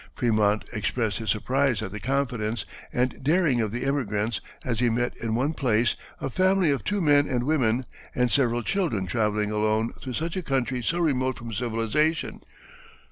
Frémont expressed his surprise at the confidence and daring of the emigrants as he met in one place "a family of two men and women and several children travelling alone through such a country so remote from civilization."